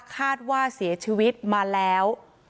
คาดว่าเสียชีวิตมาแล้ว